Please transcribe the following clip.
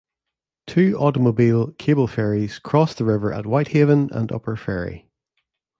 Two automobile cable ferries cross the river at Whitehaven and Upper Ferry.